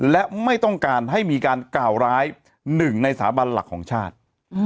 และไม่ต้องการให้มีการกล่าวร้ายหนึ่งในสาบันหลักของชาติ